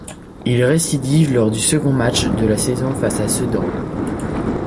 Il récidive lors du second match de la saison face à Sedan.